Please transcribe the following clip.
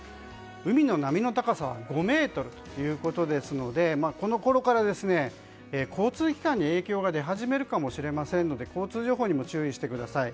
海の波の高さは５ｍということですのでこのころから交通機関に影響が出始めるかもしれませんので交通情報にも注意してください。